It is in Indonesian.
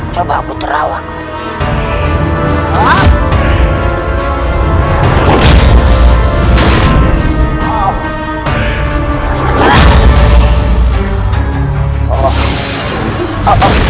coba aku terawak